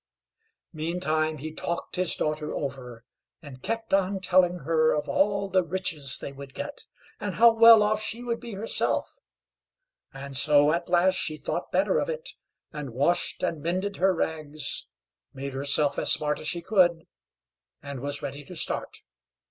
Meantime he talked his daughter over, and kept on telling her of all the riches they would get, and how well off she would be herself; and so at last she thought better of it, and washed and mended her rags, made herself as smart as she could, and was ready to start.